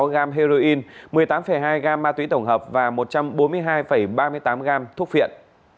bảy mươi tám tám mươi sáu gam heroin một mươi tám hai gam ma túy tổng hợp và một trăm bốn mươi hai ba mươi tám gam thuốc phiện